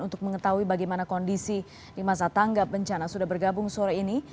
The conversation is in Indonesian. untuk mengetahui bagaimana kondisi di masa tanggap bencana sudah bergabung sore ini